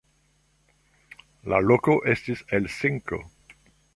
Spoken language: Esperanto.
La loko estis Helsinko.